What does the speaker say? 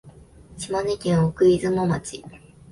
島根県奥出雲町